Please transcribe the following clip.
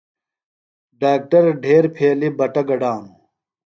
ڈاکٹر ڈھیر پھیلیۡ بٹہ گڈانوۡ۔